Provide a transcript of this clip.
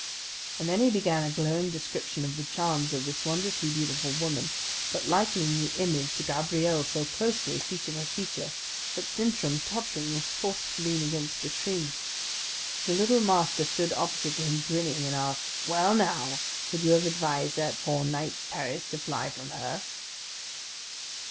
And then he began a glowing description of the charms of this wondrously beautiful woman, but likening the image to Gabrielle so closely, feature for feature, that Sintram, tottering, was forced to lean against a tree. The little Master stood opposite to him grinning, and asked, "Well now, could you have advised that poor knight Paris to fly from her?"